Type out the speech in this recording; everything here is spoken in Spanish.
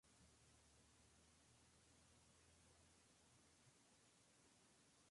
Hizo cubrir las dos columnas septentrionales del crucero del transepto por pilares cruciformes.